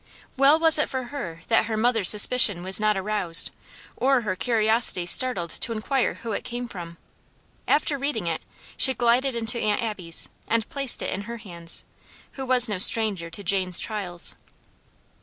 Well was it for her that her mother's suspicion was not aroused, or her curiosity startled to inquire who it came from. After reading it, she glided into Aunt Abby's, and placed it in her hands, who was no stranger to Jane's trials.